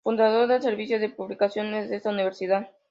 Fundador del Servicio de Publicaciones de esta Universidad.